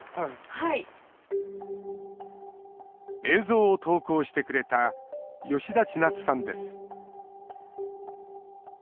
映像を投稿してくれた吉田千夏さんです。